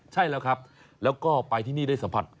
ใช่แล้วครับแล้วก็ไปที่นี่ได้สัมผัส